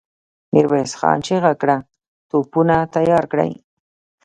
ميرويس خان چيغه کړه! توپونه تيار کړئ!